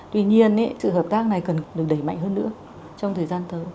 tuy nhiên sự hợp tác này cần được đẩy mạnh hơn nữa trong thời gian tới